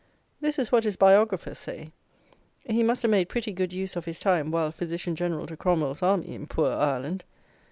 This is what his biographers say. He must have made pretty good use of his time while physician general to Cromwell's army, in poor Ireland!